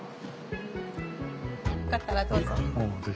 よかったらどうぞ。